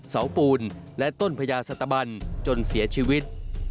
เสาปูนและต้นพญาสตบันจนเสียชีวิต